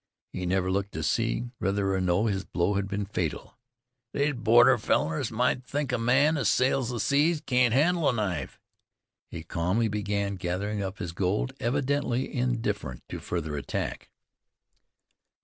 He never looked to see whether or no his blow had been fatal. "These border fellars might think a man as sails the seas can't handle a knife." He calmly began gathering up his gold, evidently indifferent to further attack.